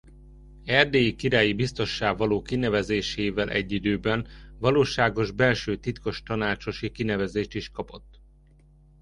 Erdélyi királyi biztossá való kinevezésével egy időben valóságos belső titkos tanácsosi kinevezést is kapott.